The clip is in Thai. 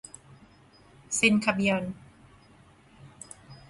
เซนต์คาเบรียล